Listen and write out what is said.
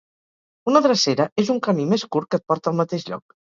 Una drecera és un camí més curt que et porta al mateix lloc.